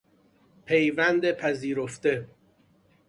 پیوند پذیرفته